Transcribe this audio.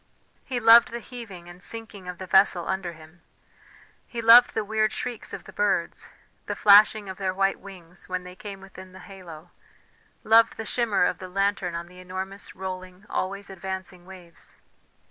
He loved the heaving and sinking of the vessel under him; he loved the weird shrieks of the birds, the flashing of their white wings when they came within the halo, loved the shimmer of the lantern on the enormous, rolling, always advancing waves.